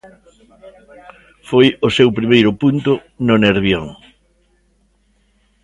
Foi o seu primeiro punto no Nervión.